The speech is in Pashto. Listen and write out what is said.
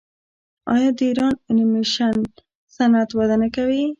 آیا د ایران انیمیشن صنعت وده نه کوي؟